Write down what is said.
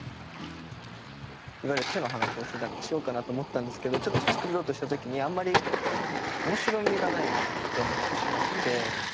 いわゆる手の話をしてたんでしようかなと思ったんですけどちょっと作ろうとした時にあんまり面白みがないなって思ってしまって。